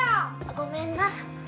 ごめんな